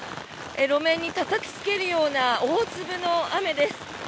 路面にたたきつけるような大粒の雨です。